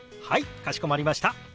かしこまりました。